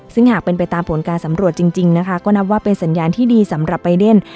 ซึ่งหากเป็นไปตามผลการสำรวจจริงนะคะก็นับว่าเป็นสัญญาณที่ดีสำหรับใบเดน